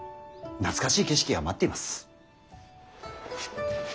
懐かしい景色が待っています。